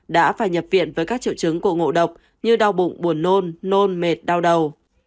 đã phải nhập viện với các triệu chứng của ngộ độc như đau bụng buồn nôn nôn mệt đau đầu